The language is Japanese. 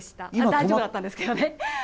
大丈夫だったんですけどね。